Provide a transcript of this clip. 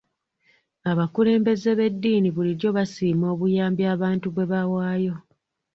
Abakulembeze b'eddiini bulijjo basiima obuyambi abantu bwe bawaayo.